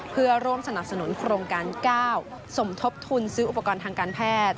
เพื่อร่วมสนับสนุนโครงการ๙สมทบทุนซื้ออุปกรณ์ทางการแพทย์